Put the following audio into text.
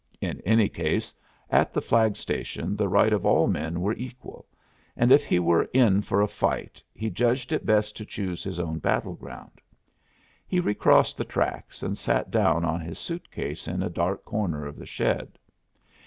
In any case, at the flag station the rights of all men were equal, and if he were in for a fight he judged it best to choose his own battleground. He recrossed the tracks and sat down on his suit case in a dark corner of the shed.